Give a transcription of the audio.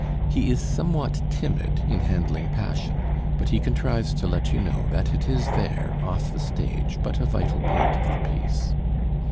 He is somewhat timid in handling passion, but he contrives to let you know that it is there, off the stage, but a vital part of the piece.